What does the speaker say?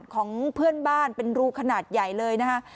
ของเพื่อนบ้านเป็นรูขนาดใหญ่เลยนะคะ